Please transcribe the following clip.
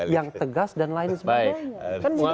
yang tegas dan lain sebagainya